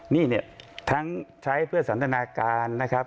นี่เนี่ยทั้งใช้เพื่อสันตนาการนะครับ